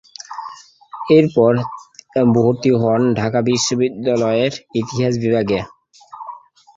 এরপর ভর্তি হন ঢাকা বিশ্ববিদ্যালয়ের ইতিহাস বিভাগে।